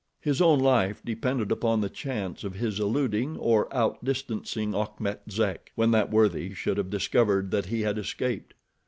His own life depended upon the chance of his eluding, or outdistancing Achmet Zek, when that worthy should have discovered that he had escaped.